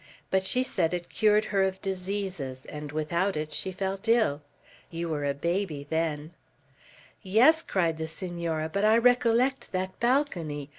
But she said it cured her of diseases, and without it she fell ill. You were a baby then." "Yes," cried the Senora, "but I recollect that balcony.